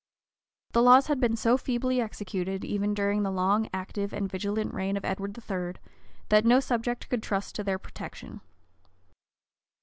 The laws had been so feebly executed, even during the long, active, and vigilant reign of Edward III., that no subject could trust to their protection.